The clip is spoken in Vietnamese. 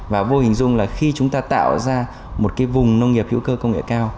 và vô hình dung là khi chúng ta tạo ra một cái vùng nông nghiệp hữu cơ công nghệ cao